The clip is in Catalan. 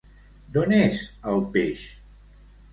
D'on és, el peix?